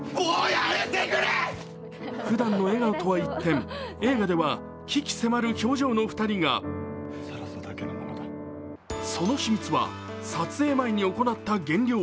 ふだんの笑顔とは一転、映画では鬼気迫る表情の２人がその秘密は撮影前に行った減量。